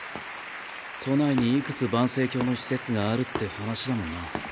都内にいくつ盤星教の施設があるって話だもんな。